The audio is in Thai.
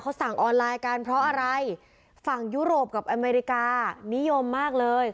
เขาสั่งออนไลน์กันเพราะอะไรฝั่งยุโรปกับอเมริกานิยมมากเลย